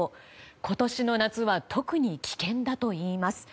今年の夏は特に危険だといいます。